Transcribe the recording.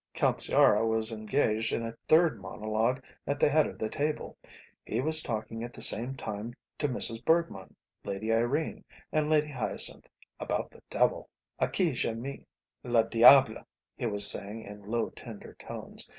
Count Sciarra was engaged in a third monologue at the head of the table. He was talking at the same time to Mrs. Bergmann, Lady Irene, and Lady Hyacinth about the devil. "Ah que j'aime le diable!" he was saying in low, tender tones.